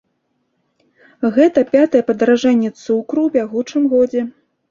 Гэта пятае падаражанне цукру ў бягучым годзе.